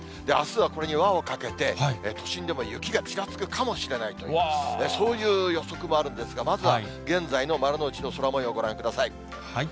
あすはこれに輪をかけて、都心でも雪がちらつくかもしれないという、そういう予測もあるんですが、まずは、現在の丸の内の空もよう、ご覧ください。